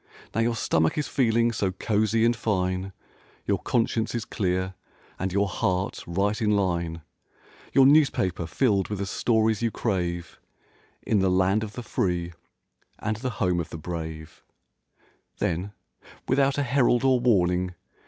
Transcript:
Now your stomach is feeling so cozy and fine. Your conscience is clear and your heart right in line. Your newspaper filled with the stories you crave In the "Land of the free and the home of the brave"— Then, without a herald or warning.